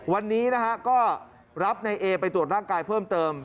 วันนี้นะฮะก็รับในเอไปตรวจร่างกายเพิ่มเติม